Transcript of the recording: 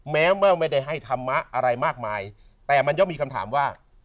แม้เมื่อไม่ได้ให้ธรรมะอะไรมากมายแต่มันย่อมมีคำถามว่า